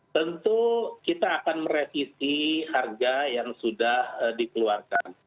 tentu kita akan merevisi harga yang sudah dikeluarkan